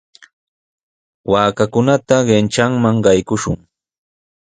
Waakakunata kanchanman qaykushun.